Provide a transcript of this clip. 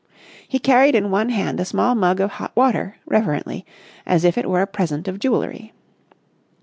He carried in one hand a small mug of hot water, reverently, as if it were a present of jewellery.